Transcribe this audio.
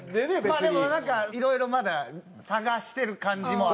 まあでもなんかいろいろまだ探してる感じも。